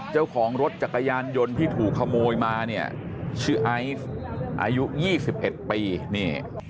เจ้าของรถจักรยานยนต์ที่ถูกขโมยมาเนี่ยชื่อไอซ์อายุ๒๑ปีนี่